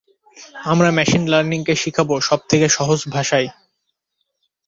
আমরা machine learning কে শিখবো সবথেকে সহজ ভাষায়।